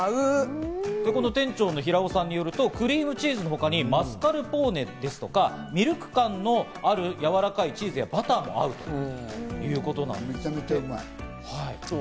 店長の平尾さんによるとクリームチーズのほかにマスカルポーネですとか、ミルク感のあるやわらかいチーズやバターがあるということなんですね。